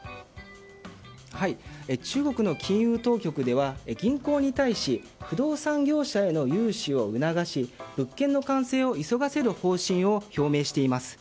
中国の金融当局では銀行に対し不動産業者への融資を促し物件の完成を急がせる方針を表明しています。